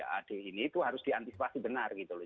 ad ini itu harus diantisipasi benar gitu loh